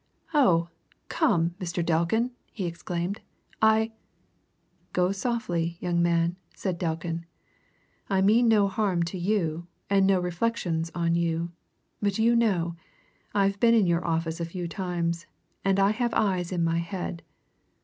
"Oh, come, Mr. Delkin!" he exclaimed. "I " "Go softly, young man." said Delkin. "I mean no harm to you, and no reflections on you. But you know, I've been in your office a few times, and I have eyes in my head.